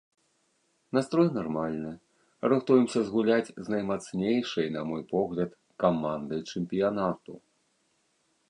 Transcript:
Настрой нармальны, рыхтуемся згуляць з наймацнейшай, на мой погляд, камандай чэмпіянату.